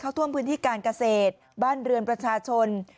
ท่วมพื้นที่การเกษตรบ้านเรือนประชาชน